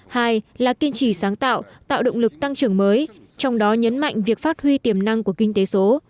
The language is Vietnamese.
hai là kiên trì sáng tạo tạo động lực tăng trưởng mới trong đó nhấn mạnh việc phát huy tiềm năng của kinh tế số